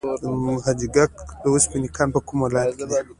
د حاجي ګک د وسپنې کان په کوم ولایت کې دی؟